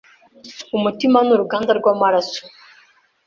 umutima ni uruganda rw’amaraso